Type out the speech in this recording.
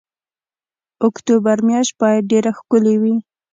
اکتوبر میاشت باید ډېره ښکلې وي.